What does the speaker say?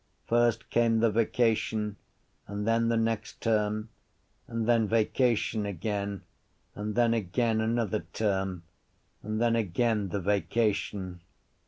First came the vacation and then the next term and then vacation again and then again another term and then again the vacation.